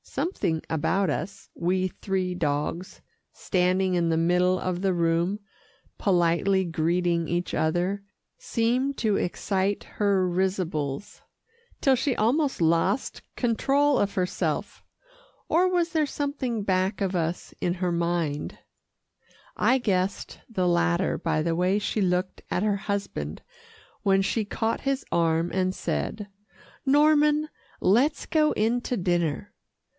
Something about us we three dogs standing in the middle of the room, politely greeting each other, seemed to excite her risibles, till she almost lost control of herself. Or was there something back of us in her mind? I guessed the latter by the way she looked at her husband when she caught his arm and said, "Norman, let's go in to dinner."